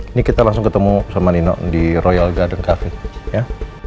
ini kita langsung ketemu sama nino di royal garden cafe ya